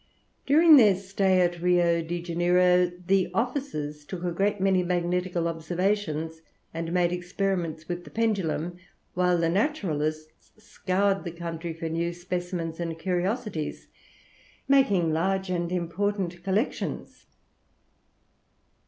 During their stay at Rio de Janeiro the officers took a great many magnetical observations and made experiments with the pendulum, whilst the naturalists scoured the country for new specimens and curiosities, making large and important collections.